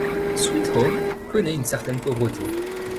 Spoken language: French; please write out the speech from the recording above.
Sweet Home connaît une certaine pauvreté.